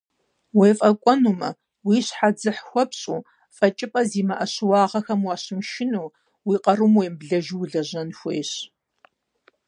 Уефӏэкӏуэнумэ, уи щхьэ дзыхь хуэпщӏу, фӀэкӀыпӀэ зимыӀэ щыуагъэхэм уащымышынэу, уи къарум уемыблэжу улэжьэн хуейщ.